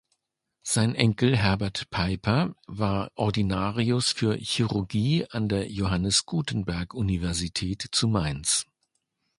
Sein Enkel Herbert Peiper war Ordinarius für Chirurgie an der Johannes-Gutenberg-Universität zu Mainz.